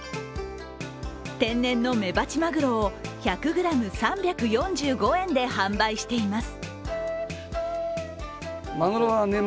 天然のメバチマグロを１００ｇ３４５円で販売しています。